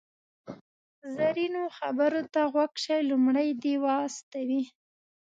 زرینو خبرو ته غوږ شئ، لومړی دې و استوئ.